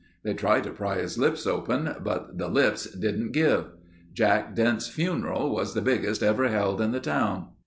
They tried to pry his lips open but the lips didn't give. Jack Dent's funeral was the biggest ever held in the town.